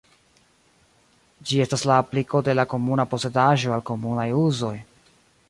Ĝi estas la apliko de la komuna posedaĵo al komunaj uzoj.